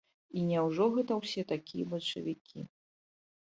І няўжо гэта ўсе такія бальшавікі.